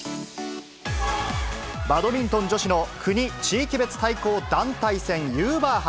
バドミントン女子の国・地域別対抗団体戦、ユーバー杯。